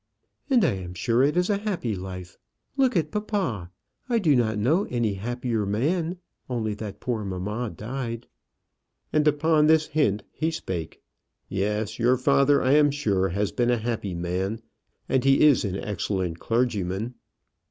"And I am sure it is a happy life: look at papa; I do not know any happier man only that poor mamma died." And upon this hint he spake. "Yes, your father I am sure has been a happy man, and he is an excellent clergyman."